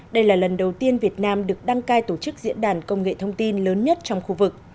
đây là lần đầu tiên việt nam được đăng cai tổ chức diễn đàn công nghệ thông tin lớn nhất trong khu vực